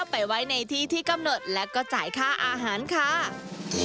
ว่ามาเสื้อคนกลับน้อยให้ไปไว้ที่ที่กำหนดแล้วก็จ่ายค้าข้านาธิบดี